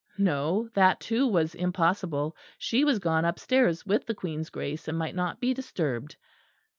No, that too was impossible; she was gone upstairs with the Queen's Grace and might not be disturbed.